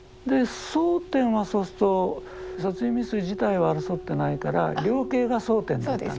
争点はそうすると殺人未遂自体は争ってないから量刑が争点だったんですね。